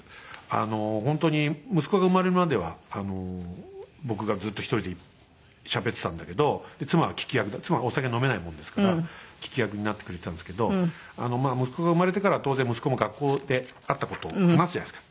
あの本当に息子が生まれるまでは僕がずっと１人でしゃべってたんだけど妻は聞き役妻はお酒飲めないものですから聞き役になってくれてたんですけど息子が生まれてからは当然息子も学校であった事を話すじゃないですか。